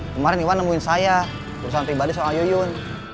kemarin iwan nemuin saya urusan pribadi soal yuyun